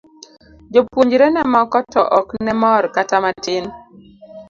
Jopuonjrene moko to ok ne mor kata matin.